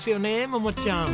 桃ちゃん。